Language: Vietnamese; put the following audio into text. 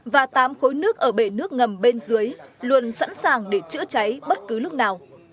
và tám khối nước ở bể nước ngầm bên dưới luôn sẵn sàng để chữa cháy bất cứ lúc nào